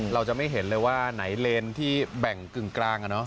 เราจะไม่เห็นเลยว่าไหนเลนที่แบ่งกึ่งกลาง